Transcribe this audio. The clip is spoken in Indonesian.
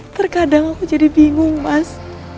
terkadang aku jadi bingung mas